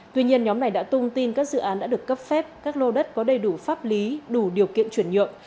tuy nhiên nhóm này đã tung tin các dự án đã được cấp phép các lô đất có đầy đủ pháp lý đủ điều kiện chuyển nhượng